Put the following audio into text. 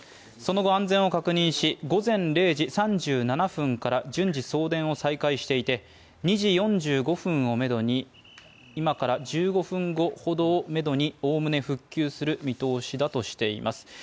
その後安全を確認し、午前０時３７分から順次送電を再開していて、２時４５分を目処に今から１５分後ほど目処に、おおむね復旧する見通しだとしています。